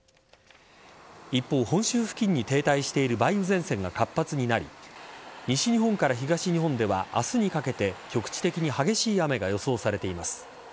一方、本州付近に停滞している梅雨前線が活発になり西日本から東日本では明日にかけて局地的に激しい雨が予想されています。